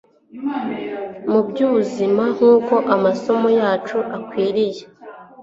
mu byubuzima nkuko amasomo yacu akwiriye